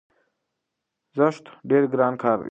زښت ډېر ګران کار دی،